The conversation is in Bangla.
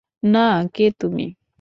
না, কে তুমি?